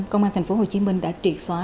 công an thành phố hồ chí minh đã triệt xóa